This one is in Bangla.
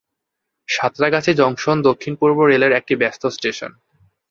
সাঁতরাগাছি জংশন দক্ষিণ-পূর্ব রেলের একটি ব্যস্ত স্টেশন।